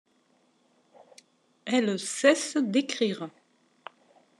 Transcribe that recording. Elle cesse d'écrire.